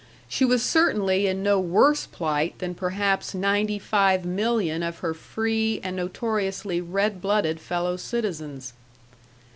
She was certainly in no worse plight than perhaps ninety five million of her free and notoriously red blooded fellow citizens.